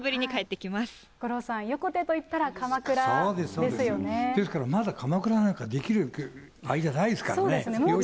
五郎さん、ですから、まだかまくらなんかできるあれじゃないですからね。